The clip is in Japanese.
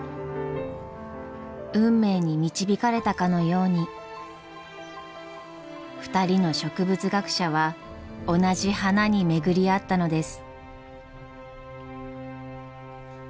運命に導かれたかのように２人の植物学者は同じ花に巡り会ったのです。